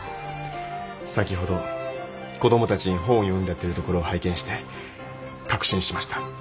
先ほど子どもたちに本を読んでやってるところを拝見して確信しました。